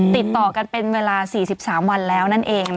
ติดต่อกันเป็นเวลา๔๓วันแล้วนั่นเอง